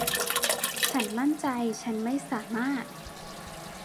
ฉันมั่นใจฉันไม่สามารถ